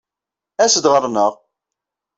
As-d ɣer-neɣ!